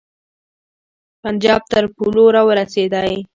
پنجاب تر پولو را ورسېدی.